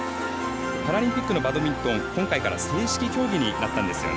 パラリンピックのバドミントンは今大会から正式競技になりました。